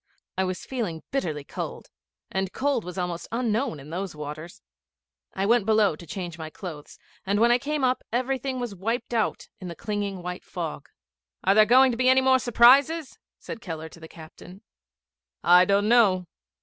I was feeling bitterly cold, and cold was almost unknown in those waters. I went below to change my clothes, and when I came up everything was wiped out in clinging white fog. 'Are there going to be any more surprises?' said Keller to the captain. 'I don't know.